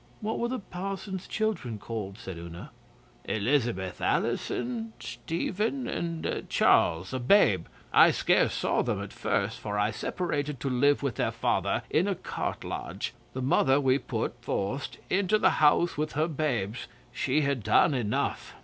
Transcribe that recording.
'What were the parson's children called?' said Una. 'Elizabeth, Alison, Stephen, and Charles a babe. I scarce saw them at first, for I separated to live with their father in a cart lodge. The mother we put forced into the house with her babes. She had done enough.